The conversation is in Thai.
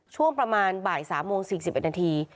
ช่วงประมาณบ่าย๓โมง๔๑นาที